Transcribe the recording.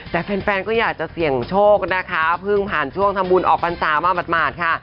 แต่แฟนก็อยากจะเสี่ยงโชคนะคะเพิ่งผ่านช่วงทำบุญออกพรรษามาหมาดค่ะ